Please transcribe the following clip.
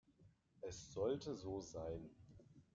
Es sollte so sein.